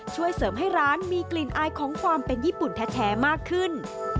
ช่วยเสริมให้ร้านมีกลิ่นอายของความเป็นญี่ปุ่นแท้มากขึ้น